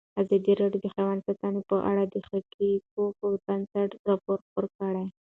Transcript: ازادي راډیو د حیوان ساتنه په اړه د حقایقو پر بنسټ راپور خپور کړی.